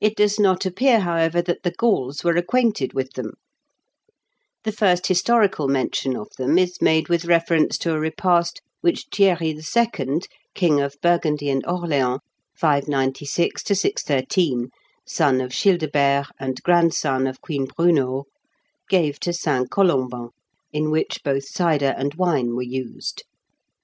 It does not appear, however, that the Gauls were acquainted with them. The first historical mention of them is made with reference to a repast which Thierry II., King of Burgundy and Orleans (596 613), son of Childebert, and grandson of Queen Brunehaut, gave to St. Colomban, in which both cider and wine were used.